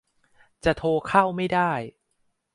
จะโทรเข้าไม่ได้